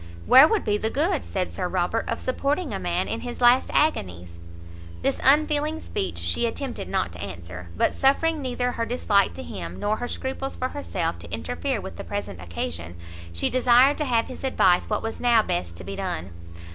"Where would be the good," said Sir Robert, "of supporting a man in his last agonies?" This unfeeling speech she attempted not to answer, but, suffering neither her dislike to him, nor her scruples for herself, to interfere with the present occasion, she desired to have his advice what was now best to be done.